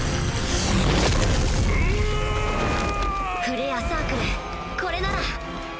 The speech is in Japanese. フレアサークルこれなら